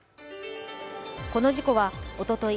この事故はおととい